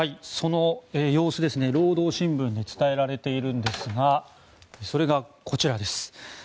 その様子、労働新聞で伝えられているんですがそれがこちらです。